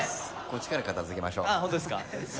こっちから片付けましょうあっ